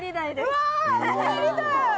うわ滑りたい！